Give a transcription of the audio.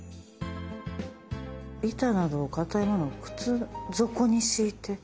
「板などの硬い物を靴底に敷いて」。